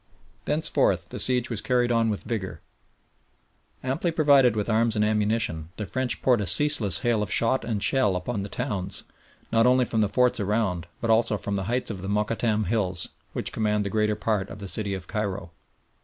Thenceforth the siege was carried on with vigour. Amply provided with arms and ammunition, the French poured a ceaseless hail of shot and shell upon the towns, not only from the forts around, but also from the heights of the Mokattam hills, which command the greater part of the city of Cairo.